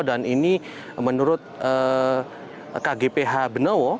dan ini menurut kgph benowo